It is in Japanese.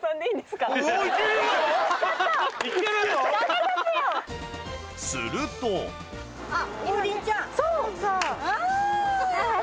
するとあ！